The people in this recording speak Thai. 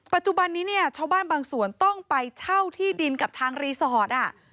ปัจจุบันนี้เนี่ยชาวบ้านบางส่วนต้องไปเช่าที่ดินกับทางรีสอร์ท